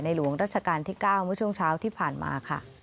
ในหลวงราชกาลที่๙ช่วงเช้าที่ผ่านมา